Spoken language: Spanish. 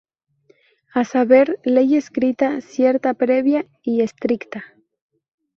A saber: ley escrita, cierta, previa y estricta.